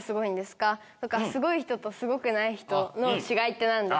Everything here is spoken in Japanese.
すごい人とすごくない人の違いって何ですか？